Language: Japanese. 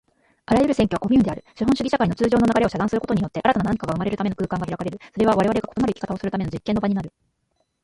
あらゆる占拠はコミューンである。資本主義社会の通常の流れを遮断することによって、新たな何かが生まれるための空間が開かれる。それはわれわれが異なる生き方をするための実験の場になる。